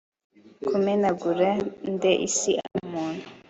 Kumenagura nde Isi aho umuntu